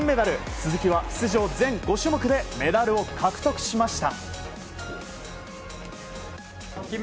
鈴木は出場全５種目でメダルを獲得しました。